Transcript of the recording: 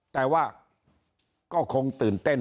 แต่ว่าก็คงตื่นเต้น